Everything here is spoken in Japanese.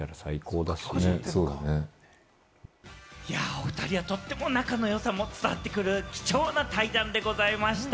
おふたりはとっても仲の良さも伝わってくる貴重な対談でございました。